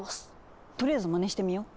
とりあえずまねしてみよう。